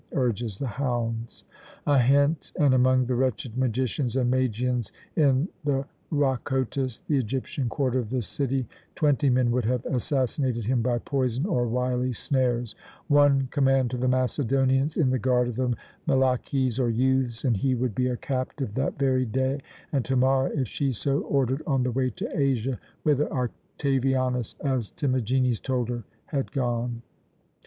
urges the hounds. A hint, and among the wretched magicians and Magians in the Rhakotis, the Egyptian quarter of the city, twenty men would have assassinated him by poison or wily snares; one command to the Macedonians in the guard of the Mellakes or youths, and he would be a captive that very day, and to morrow, if she so ordered, on the way to Asia, whither Octavianus, as Timagenes told her, had gone.